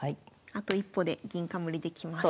あと一歩で銀冠できます。